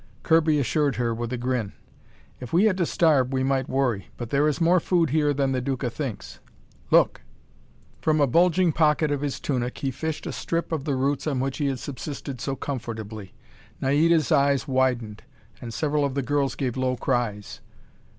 Kirby assured her with a grin. "If we had to starve we might worry. But there is more food here than the Duca thinks. Look!" From a bulging pocket of his tunic he fished a strip of the roots on which he had subsisted so comfortably. Naida's eyes widened, and several of the girls gave low cries.